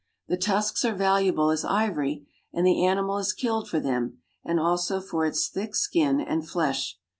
The tusks are valuable as ivory, and the animal is killed for them and also for its thick skin and flesh.